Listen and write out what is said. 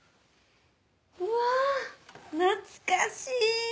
うわっ懐かしい！